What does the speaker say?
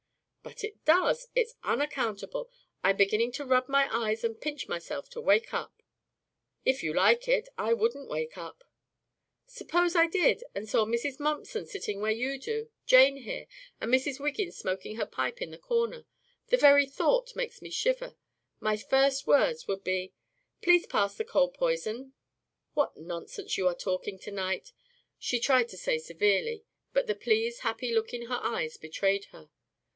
"But it does. It's unaccountable. I'm beginning to rub my eyes and pinch myself to wake up." "If you like it, I wouldn't wake up." "Suppose I did, and saw Mrs. Mumpson sitting where you do, Jane here, and Mrs. Wiggins smoking her pipe in the corner. The very thought makes me shiver. My first words would be, 'Please pass the cold p'ison.'" "What nonsense you are talking tonight!" she tried to say severely, but the pleased, happy look in her eyes betrayed her.